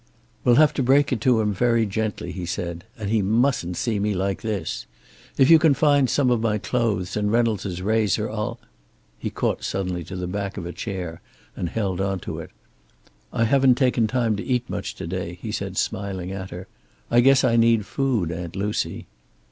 "We'll have to break it to him very gently," he said. "And he mustn't see me like this. If you can find some of my clothes and Reynolds' razor, I'll " He caught suddenly to the back of a chair and held on to it. "I haven't taken time to eat much to day," he said, smiling at her. "I guess I need food, Aunt Lucy."